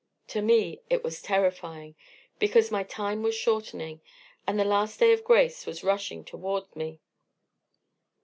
To me it was terrifying, because my time was shortening, and the last day of grace was rushing toward me.